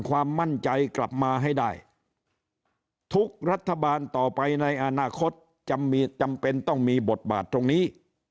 ความมั่นใจกลับมาให้ได้ทุกรัฐบาลต่อไปในอนาคตจำเป็นต้องมีบทบาทตรงนี้